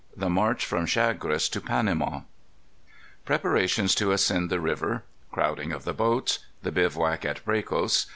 The March from Chagres to Panama. Preparations to Ascend the River. Crowding of the Boats. The Bivouac at Bracos.